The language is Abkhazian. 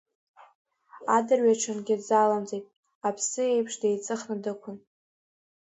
Адырҩаҽынгьы дзалымҵит, аԥсы еиԥш деиҵыхны дықәын.